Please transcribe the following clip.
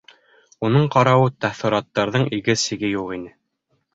Уның ҡарауы, тәьҫораттарҙың иге-сиге юҡ ине!